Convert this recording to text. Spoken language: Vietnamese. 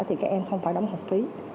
thì các em không phải đóng học phí